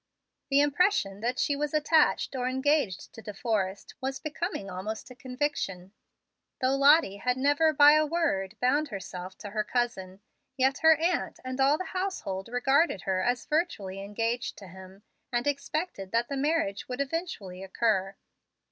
The impression that she was attached or engaged to De Forrest was becoming almost a conviction. Though Lottie had never, by a word, bound herself to her cousin, yet her aunt and all the household regarded her as virtually engaged to him, and expected that the marriage would eventually occur.